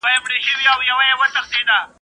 د جرګي په فضا کي به د همږغۍ او همکارۍ روحیه وه.